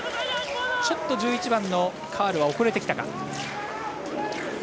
ちょっと１１番のカールは遅れてきたか。